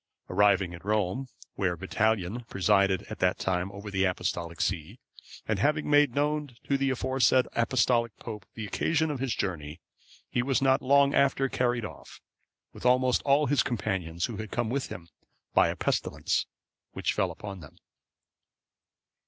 Arriving at Rome, where Vitalian(521) presided at that time over the Apostolic see, and having made known to the aforesaid Apostolic pope the occasion of his journey, he was not long after carried off, with almost all his companions who had come with him, by a pestilence which fell upon them.